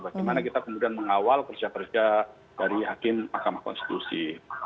bagaimana kita kemudian mengawal kerja kerja dari hakim mahkamah konstitusi